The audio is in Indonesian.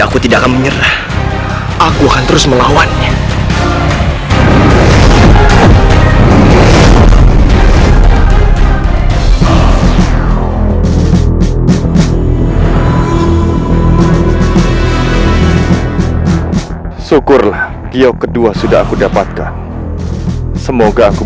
aku tidak akan menyerah aku akan terus melawannya syukurlah gio kedua sudah aku dapatkan semoga aku